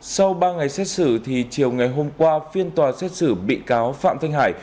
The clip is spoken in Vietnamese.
sau ba ngày xét xử chiều ngày hôm qua phiên tòa xét xử bị cáo phạm thanh hải